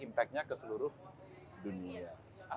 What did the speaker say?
impact nya ke seluruh dunia